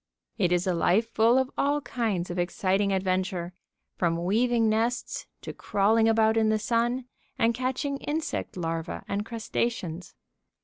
It is a life full of all kinds of exciting adventure, from weaving nests to crawling about in the sun and catching insect larvæ and crustaceans.